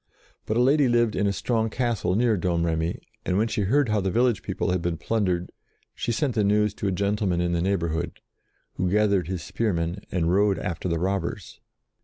But a lady lived in a strong castle near Domremy, and when she heard how the village people had been plundered she sent the news to a gentleman in the neigh bourhood, who gathered his spearmen and rode after the robbers.